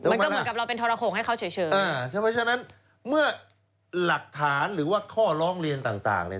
มันก็เหมือนกับเราเป็นทรโขงให้เขาเฉยอ่าใช่ไหมฉะนั้นเมื่อหลักฐานหรือว่าข้อร้องเรียนต่างต่างเนี่ย